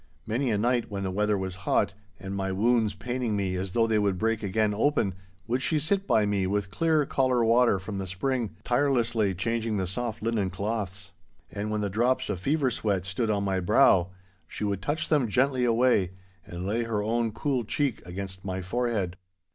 Many a night when the weather was hot, and my wounds paining me as though they would break again open, would she sit by me with clear caller water from the spring, tirelessly changing the soft linen cloths. And when the drops of fever sweat stood on my brow, she would touch them gently away, and lay her own cool cheek against my forehead.